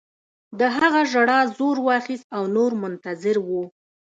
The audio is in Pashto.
د هغه ژړا زور واخیست او نور منتظر وو